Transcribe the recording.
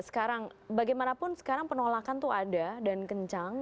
sekarang bagaimanapun sekarang penolakan tuh ada dan kencang